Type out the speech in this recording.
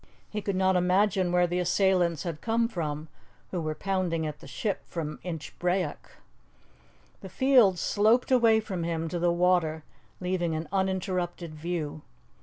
He could not imagine where the assailants had come from who were pounding at the ship from Inchbrayock. The fields sloped away from him to the water, leaving an uninterrupted view.